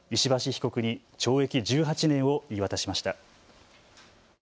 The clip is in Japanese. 被告に懲役１８年を言い渡しました。